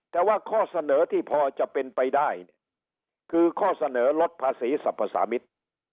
แต่ว่าข้อเสนอที่พอจะเป็นไปได้เนี่ยคือข้อเสนอลดภาษีสรรพสามิตร